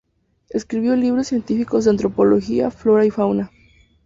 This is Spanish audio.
Escribió libros científicos de antropología, flora y fauna.